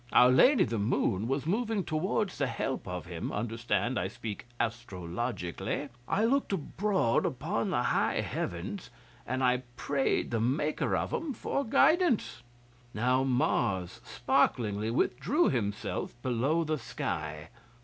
Our Lady the Moon was moving towards the help of him (understand, I speak astrologically). I looked abroad upon the high Heavens, and I prayed the Maker of 'em for guidance. Now Mars sparkingly withdrew himself below the sky.